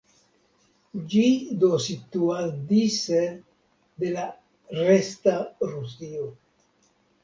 Ĝi do situas dise de la "resta" Rusio.